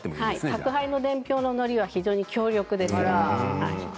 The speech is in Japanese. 宅配の伝票の残りは非常に強力です。